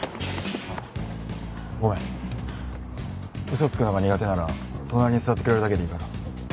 嘘つくのが苦手なら隣に座ってくれるだけでいいから。